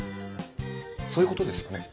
そういうことですよね？